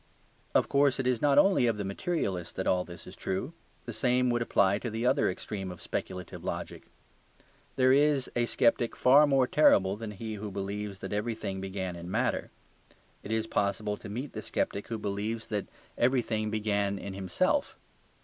Of course it is not only of the materialist that all this is true. The same would apply to the other extreme of speculative logic. There is a sceptic far more terrible than he who believes that everything began in matter. It is possible to meet the sceptic who believes that everything began in himself.